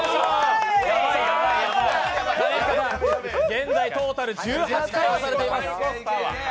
現在、トータル１８回押されています。